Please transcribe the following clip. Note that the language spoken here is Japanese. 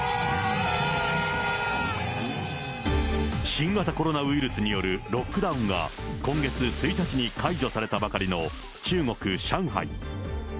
新型コロナウイルスによるロックダウンが今月１日に解除されたばかりの中国・上海。